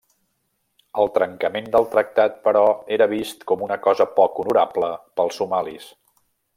El trencament del tractat però, era vist com una cosa poc honorable pels somalis.